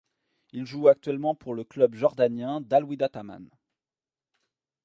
Il joue actuellement pour le club jordanien d'Al Wihdat Amman.